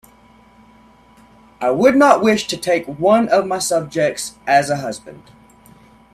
I would not wish to take one of my subjects as a husband...